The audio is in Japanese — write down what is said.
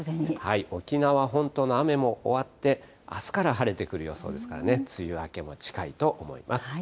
沖縄本島の雨も終わって、あすから晴れてくる予想ですからね、梅雨明けも近いと思います。